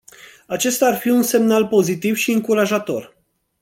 Acesta ar fi un semnal pozitiv și încurajator.